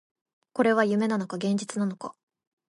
これは夢なのか、現実なのか